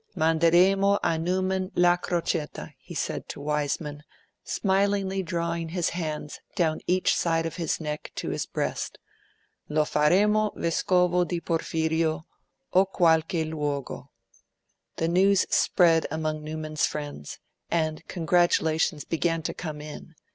'Manderemo a Newman la crocetta,' he said to Wiseman, smilingly drawing his hands down each side of his neck to his breast, 'lo faremo vescovo di Porfirio, o qualche luogo.' The news spread among Newman's friends, and congratulations began to come in.